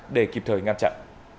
để kịp thời ngăn chặn